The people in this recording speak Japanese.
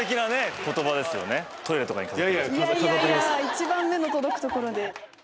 一番目の届く所で。